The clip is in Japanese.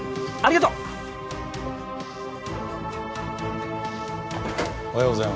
ありがとう！